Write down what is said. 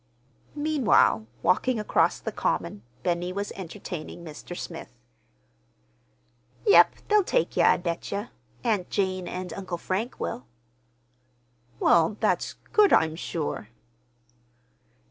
Meanwhile, walking across the common, Benny was entertaining Mr. Smith. "Yep, they'll take ye, I bet ye—Aunt Jane an' Uncle Frank will!" "Well, that's good, I'm sure."